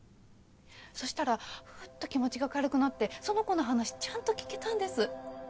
そしたらフッと気持ちが軽くなってその子の話ちゃんと聞けたんです。